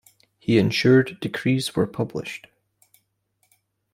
He ensured decrees were published.